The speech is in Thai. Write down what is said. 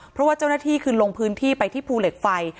เพราะว่าเจ้าหน้าที่คือลงพื้นที่ไปที่ภูเหล็กไฟ